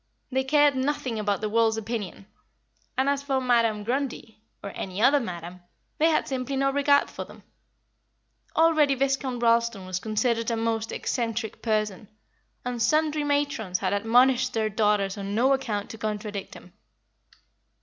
They cared nothing about the world's opinion, and as for Madam Grundy, or any other madam, they had simply no regard for them. Already Viscount Ralston was considered a most eccentric person, and sundry matrons had admonished their daughters on no account to contradict him.